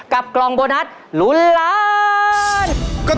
กล่องโบนัสลุ้นล้าน